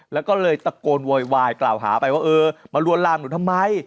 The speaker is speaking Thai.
แล้วก็เลยตะโกนโวยวายกล่าวหาไปว่าเออมาลวนลามหนูทำไม